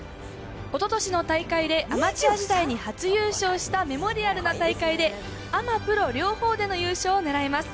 おととしの大会でアマチュア時代に初優勝したメモリアルな大会で、アマ・プロ両方での優勝を狙います。